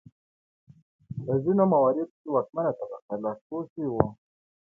په ځینو مواردو کې واکمنه طبقه لاسپوڅي وو.